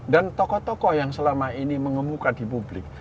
tokoh tokoh yang selama ini mengemuka di publik